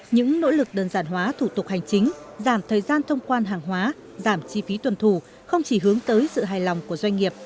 những nỗ lực đơn giản hóa thủ tục hành chính giảm thời gian thông quan hàng hóa giảm chi phí tuần thủ không chỉ hướng tới sự hài lòng của doanh nghiệp